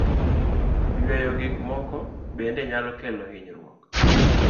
Yueyo gik moko bende nyalo kelo hinyruok.